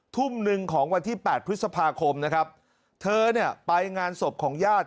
ทุ่มหนึ่งของวันที่แปดพฤษภาคมนะครับเธอเนี่ยไปงานศพของญาติ